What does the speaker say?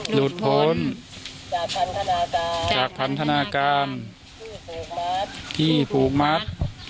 หลุดพ้นจากพันธนาการที่ผูกมัด